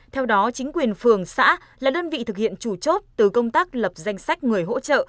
theo đó chính quyền phường xã là đơn vị thực hiện chủ chốt từ công tác lập danh sách người hỗ trợ